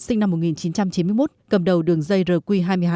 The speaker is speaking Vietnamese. sinh năm một nghìn chín trăm chín mươi một cầm đầu đường dây rq hai mươi hai